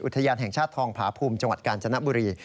อุทยานแห่งชาติทองผาภูมิจังหวัดกาญจนบุรี